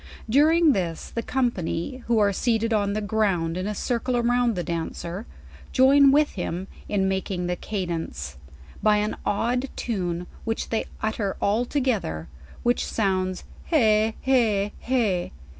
During this the company who are, seated on the ground in a circle around the dancer, join with him in making the cadence, by an odd tune, which they utter all together, and which sounds, Heh, heh, heh.'